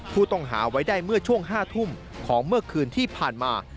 ผู้ต้องหาไว้ได้เมื่อช่วง๕ทุ่มของเมื่อคืนที่ผ่านมา